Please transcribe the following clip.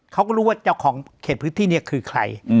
เขาก็รู้ว่าเจ้าของเขตพื้นที่นี้คือใคร